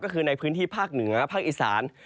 ก็คือในพื้นที่ภาคเหนือภาคอีสาน